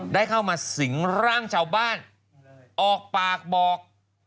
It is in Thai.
ได้เข้ามาสิงร่างชาวบ้านออกปากบอก